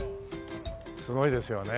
すごいですよね。